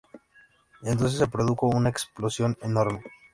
Entonces se produjo una explosión enorme.